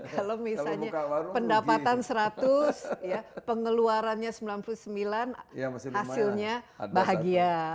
kalau misalnya pendapatan seratus pengeluarannya sembilan puluh sembilan hasilnya bahagia